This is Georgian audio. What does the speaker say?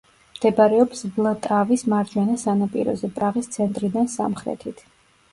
მდებარეობს ვლტავის მარჯვენა სანაპიროზე, პრაღის ცენტრიდან სამხრეთით.